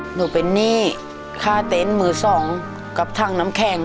หนูเป็นหนี้ค่าเต็นต์มือสองกับถังน้ำแข็ง